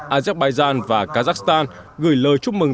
azerbaijan và kazakhstan gửi lời chúc mừng